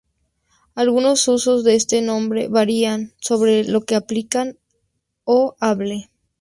Algunos usos de este nombre, varían sobre lo que se aplican o hable,